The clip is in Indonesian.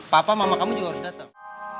papa mama kamu juga harus datang